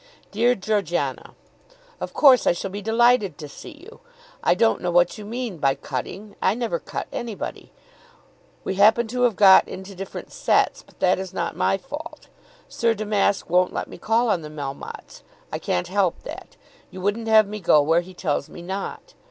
DEAR GEORGIANA, Of course I shall be delighted to see you. I don't know what you mean by cutting. I never cut anybody. We happen to have got into different sets, but that is not my fault. Sir Damask won't let me call on the Melmottes. I can't help that. You wouldn't have me go where he tells me not.